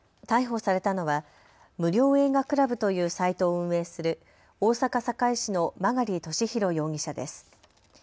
逮捕されたのは無料映画倶楽部というサイトを運営する大阪堺市の曲敏弘容疑者です。